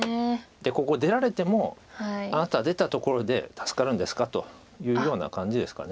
ここ出られてもあなたは出たところで助かるんですかというような感じですか。